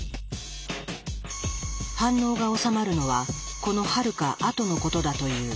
反応がおさまるのはこのはるか後のことだという。